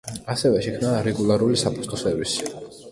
ასევე, შექმნა რეგულარული საფოსტო სერვისი.